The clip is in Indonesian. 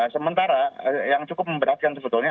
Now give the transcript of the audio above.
sementara yang cukup memberatkan sebetulnya